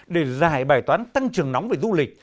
để giải bài toán tăng trưởng nóng về du lịch